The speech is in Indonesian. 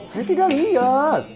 saya tidak lihat